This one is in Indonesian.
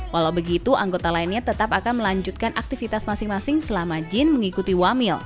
walau begitu anggota lainnya tetap akan melanjutkan aktivitas masing masing selama jin mengikuti wamil